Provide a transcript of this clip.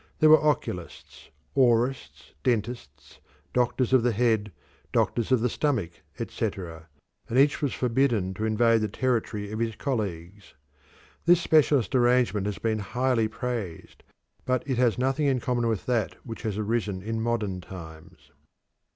There were oculists, aurists, dentists, doctors of the head, doctors of the stomach, etc., and each was forbidden to invade the territory of his colleagues. This specialist arrangement has been highly praised, but it has nothing in common with that which has arisen in modern times.